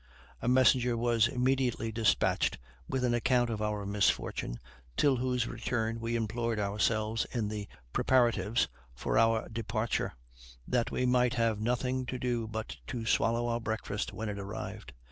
A messenger was immediately despatched with an account of our misfortune, till whose return we employed ourselves in preparatives for our departure, that we might have nothing to do but to swallow our breakfast when it arrived.